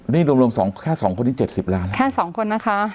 นี่รวมรวมสองแค่สองคนนี้เจ็ดสิบล้านแค่สองคนนะคะ